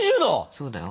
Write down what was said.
そうだよ。